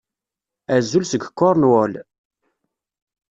Azul seg Cornwall!